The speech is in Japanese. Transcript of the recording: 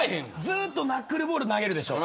ずっとナックルボール投げるでしょ。